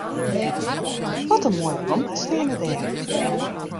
Wat in moaie blomkes steane dêr.